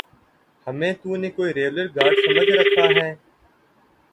ہمیں تو نے کوئی ریلوے گارڈ سمجھ رکھا ہے؟